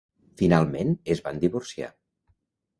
Finalment es van divorciar.